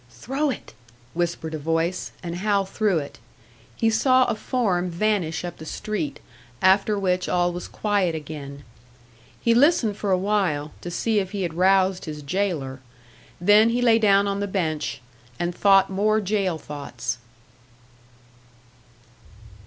"Throw it!" whispered a voice; and Hal threw it. He saw a form vanish up the street, after which all was quiet again. He listened for a while, to see if he had roused his jailer; then he lay down on the bench and thought more jail thoughts!